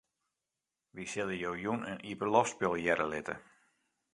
Wy sille jo jûn in iepenloftspul hearre litte.